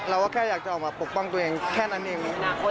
เราแค่อยากจะออกมาปกป้องตัวเองแค่นั้นเอง